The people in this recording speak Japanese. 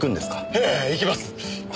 ええ行きます。